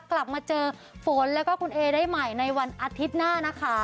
กลับมาเจอฝนแล้วก็คุณเอได้ใหม่ในวันอาทิตย์หน้านะคะ